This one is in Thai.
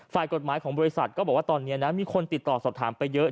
ฝ่ายกฎหมายของบริษัทก็บอกว่าตอนนี้นะมีคนติดต่อสอบถามไปเยอะ